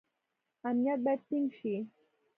امنیت باید ټینګ شي